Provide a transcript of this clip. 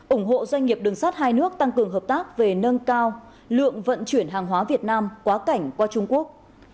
ủng hộ doanh nghiệp đường sát hai nước tăng cường hợp tác về nâng cao lượng vận chuyển hàng hóa việt nam quá cảnh qua trung quốc